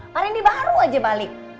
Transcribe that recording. pak rendy baru aja balik